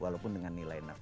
walaupun dengan nilai enam